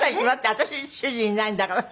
私主人いないんだからね。